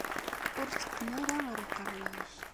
Ur t-tteqqen ara ɣer uqerruy-ik.